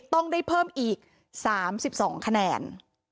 ต้องได้เพิ่มอีก๓๒คะแนน